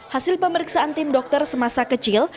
hasil pemeriksaan tim dokter semasa kecil